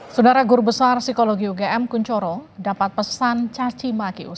saudara guru besar psikologi ugm kuncoro dapat pesan caci makyus